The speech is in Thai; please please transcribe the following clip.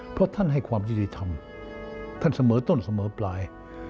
เพราะท่านให้ความยุติธรรมท่านเสมอต้นเสมอปลาย